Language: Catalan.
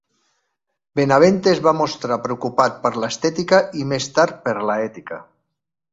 Benavente es va mostrar preocupat per l'estètica i més tard per l'ètica.